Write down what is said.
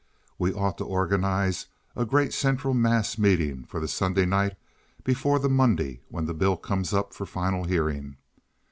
We ought to organize a great central mass meeting for the Sunday night before the Monday when the bill comes up for final hearing.